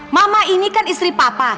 mama ini kan istri papa